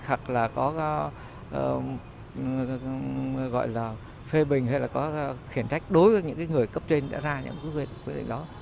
hoặc là có gọi là phê bình hay là có khiển trách đối với những người cấp trên đã ra những quy định đó